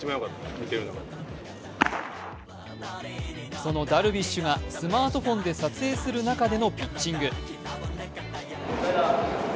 そのダルビッシュがスマートフォンで撮影する中でのピッチング。